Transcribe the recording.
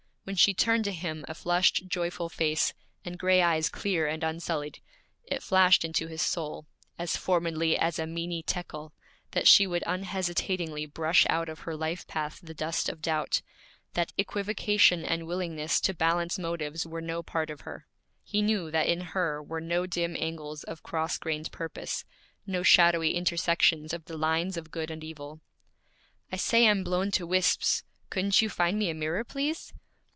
When she turned to him a flushed, joyful face, and gray eyes clear and unsullied, it flashed into his soul, as formedly as a Mene Tekel, that she would unhesitatingly brush out of her life path the dust of doubt; that equivocation and willingness to balance motives were no part of her. He knew that in her were no dim angles of cross grained purpose, no shadowy intersections of the lines of good and evil. 'I say I'm blown to wisps; couldn't you find me a mirror, please?'